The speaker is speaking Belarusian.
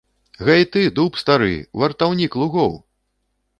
Гэй ты, дуб стары, вартаўнік лугоў!